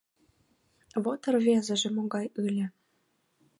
Вет рвезыже могай ыле!